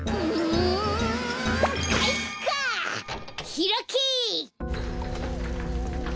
ひらけ！